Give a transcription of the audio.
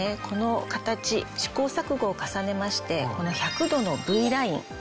この形試行錯誤を重ねまして１００度のＶライン